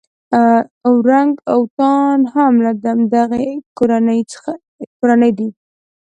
اورنګ اوتان هم له همدې کورنۍ دي.